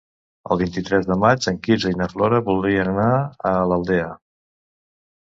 El vint-i-tres de maig en Quirze i na Fiona voldrien anar a l'Aldea.